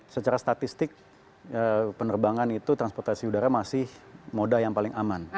secara statistik penerbangan itu transportasi udara masih moda yang paling aman